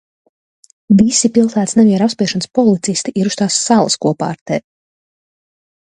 Visi pilsētas nemieru apspiešanas policisti ir uz tās salas kopā ar tevi!